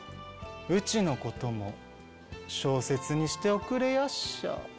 うちのことも小説にしておくれやっしゃ。